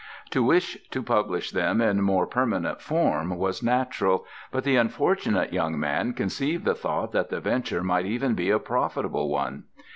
To wish to publish them in more permanent form was natural; but the unfortunate young man conceived the thought that the venture might even be a profitable one.